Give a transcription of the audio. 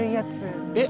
えっ？